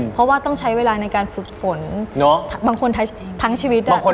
เพราะว่าต้องใช้เวลาในการฝึกฝนบางคนทั้งชีวิตต้องฝึกตลอด